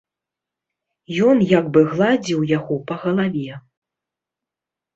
Ён як бы гладзіў яго па галаве.